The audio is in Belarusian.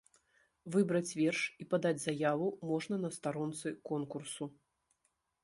Выбраць верш і падаць заяву можна на старонцы конкурсу.